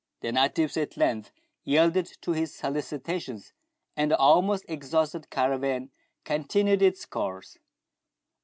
The natives at length yielded to his solicitations, and the almost exhausted caravan continued its course.